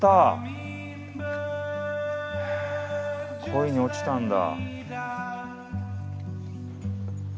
恋に落ちたんだ。